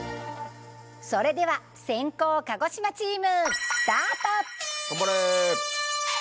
それでは先攻鹿児島チーム頑張れ。